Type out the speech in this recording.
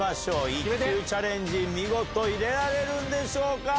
一球チャレンジ見事入れられるんでしょうか。